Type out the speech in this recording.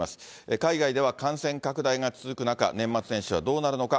海外では感染拡大が続く中、年末年始はどうなるのか。